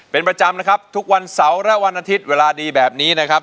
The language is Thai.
เป็นประจำนะครับทุกวันเสาร์และวันอาทิตย์เวลาดีแบบนี้นะครับ